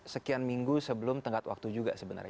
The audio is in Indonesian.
sekian minggu sebelum tenggat waktu juga sebenarnya